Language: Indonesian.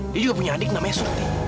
dia juga punya adik namanya suntik